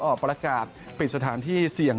ออกประกาศปิดสถานที่เสี่ยง